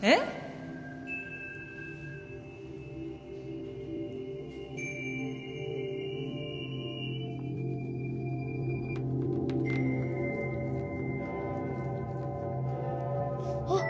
えっ？あっ！